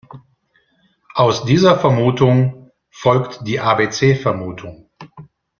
Aus dieser Vermutung folgt die abc-Vermutung.